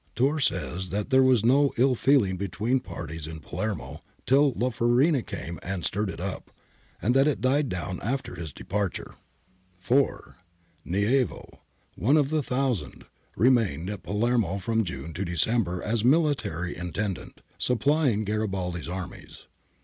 Tiirr says that there was no ill feeling between parties in Palermo till La Farina came and stirred it up, and that it died down after his departure (Btr /am', ii. 108 note). APPENDIX D 325 4 Nievo, one of the Thousand, remained at Palermo from June to December as Military Intendant, supplying Garibaldi's armies.